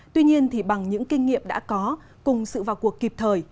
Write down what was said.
tuy nhiên thì bằng những kinh nghiệm đã có cùng sự vào cuộc kịp thời